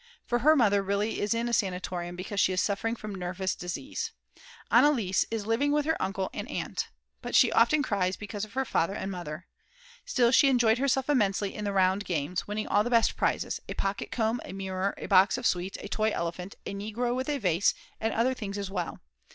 For her mother really is in a sanatorium because is suffering from nervous disease. Anneliese is living with her uncle and aunt. But she often cries because of her father and mother. Still, she enjoyed herself immensely in the round games, winning all the best prizes, a pocket comb and mirror, a box of sweets, a toy elephant, a negro with a vase, and other things as well.